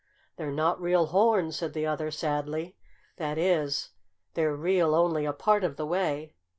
"They're not real horns," said the other sadly. "That is, they're real only a part of the way."